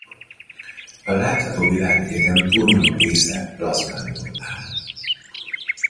A látható világegyetem túlnyomó része plazmából áll.